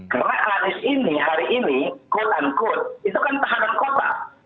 karena anies ini hari ini quote unquote itu kan tahanan kota